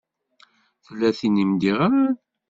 Tella tin i m-d-iɣṛan?